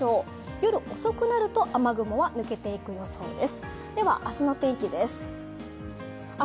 夜遅くなると雨雲は抜けていく予想です。